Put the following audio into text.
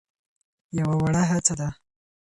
يوه وړه هڅه ده.